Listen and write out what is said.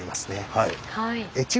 はい。